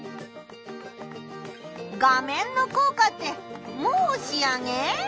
画面のこうかってもう仕上げ？